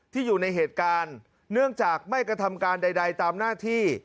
อยู่ในเหตุการณ์เนื่องจากไม่กระทำการใดตามหน้าที่